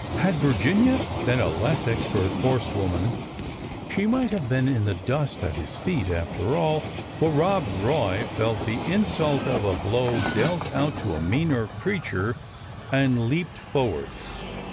Had Virginia been a less expert horsewoman, she might have been in the dust at his feet, after all ; for Rob Roy felt the insult of a blow dealt out to a meaner crea ture and leaped forward.